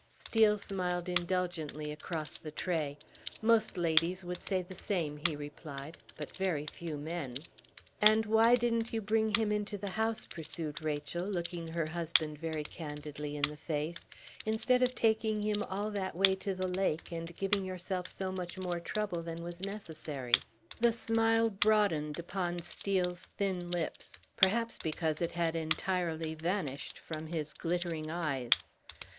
Steel smiled indulgently across the tray. "Most ladies would say the same," he replied, "but very few men." "And why didn't you bring him into the house," pursued Rachel, looking her husband very candidly in the face, "instead of taking him all that way to the lake, and giving yourself so much more trouble than was necessary?" The smile broadened upon Steel's thin lips, perhaps because it had entirely vanished from his glittering eyes.